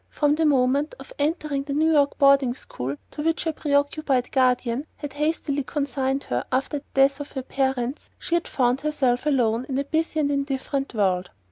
From the moment of entering the New York boarding school to which a preoccupied guardian had hastily consigned her after the death of her parents, she had found herself alone in a busy and indifferent world.